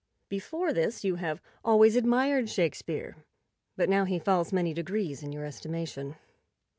Before this you have always admired Shakespeare, but now he falls many degrees in your estimation.